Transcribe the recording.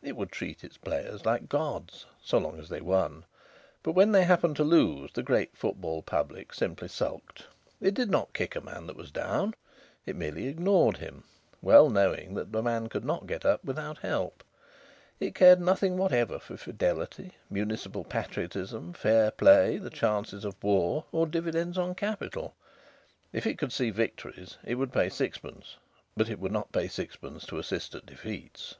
It would treat its players like gods so long as they won. But when they happened to lose, the great football public simply sulked. It did not kick a man that was down; it merely ignored him, well knowing that the man could not get up without help. It cared nothing whatever for fidelity, municipal patriotism, fair play, the chances of war, or dividends on capital. If it could see victories it would pay sixpence, but it would not pay sixpence to assist at defeats.